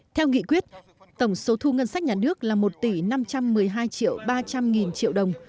theo nghị quyết tổng số thu ngân sách nhà nước là một tỷ năm trăm một mươi hai triệu ba trăm linh nghìn triệu đồng